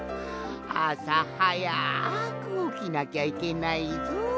あさはやくおきなきゃいけないぞ。